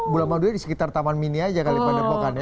bulan madunya di sekitar taman mini aja kali padepokan ya